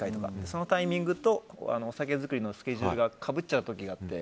そのタイミングとお酒造りのスケジュールがかぶっちゃう時があって。